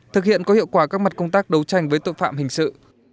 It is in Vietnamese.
thực hiện có hiệu quả các mặt công tác đấu tranh với tội phạm hình sự